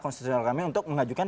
konsistensial kami untuk mengajukan